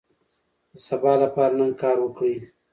د سبا لپاره نن کار وکړئ.